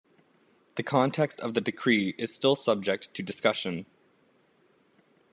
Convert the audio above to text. The context of the decree is still subject to discussion.